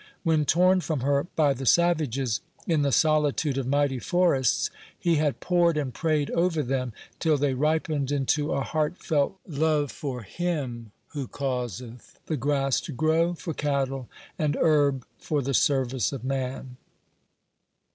When torn from her by the savages, in the solitude of mighty forests, he had pored and prayed over them, till they ripened into a heartfelt love for Him "who causeth the grass to grow for cattle, and herb for the service of man."